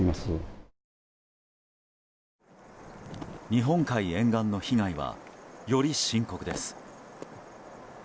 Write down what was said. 日本海沿岸の被害はより深刻です。